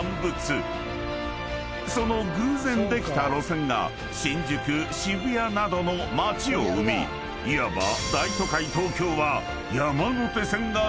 ［その偶然できた路線が新宿渋谷などの街を生みいわば］